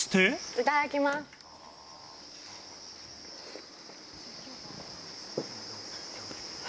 いただきます。